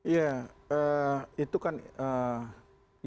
ya itu kan yang diperlukan